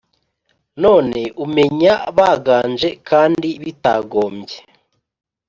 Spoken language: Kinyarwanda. None umenya baganje Kandi bitagombye !